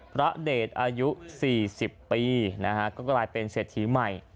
พระเดชอายุ๔๐ปีนะฮะก็กลายเป็นเศรษฐีใหม่